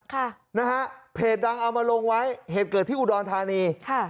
ค่ะนะฮะเพจดังเอามาลงไว้เหตุเกิดที่อุดรธานีค่ะ